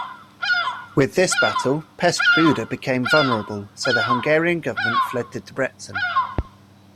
With this battle, Pest-Buda became vulnerable, so the Hungarian government fled to Debrecen.